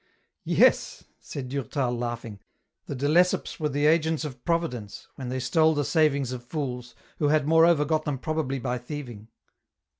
"Yes," said Durtal, laughing, "the de Lesseps were the agents of providence, when they stole the savings of fools, who had moreover got them probably by thieving."